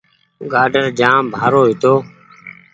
گآڊر جآم بآرو هيتو